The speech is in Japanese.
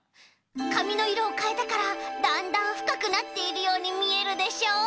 かみのいろをかえたからだんだんふかくなっているようにみえるでしょ。